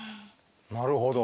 なるほど。